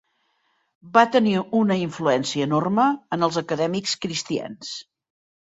Va tenir una influència enorme en els acadèmics cristians.